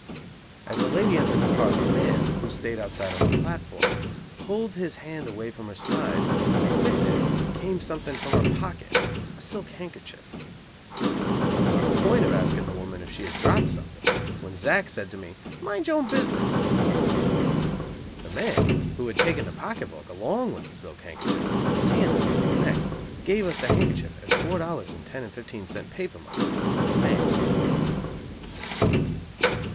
As the lady entered the car, the man, who stayed outside on the platform, pulled his hand away from her side and with it came something from her pocket a silk handkerchief. I was on the point of asking the woman if she had dropped something, when Zack said to me, "Mind your own business." The man, who had taken the pocket book along with the silk handkerchief, seeing that we were "next," gave us the handkerchief and four dollars in ten and fifteen cent paper money ("stamps").